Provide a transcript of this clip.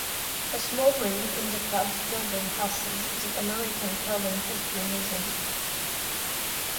A small room in the club's building houses the American Curling History Museum.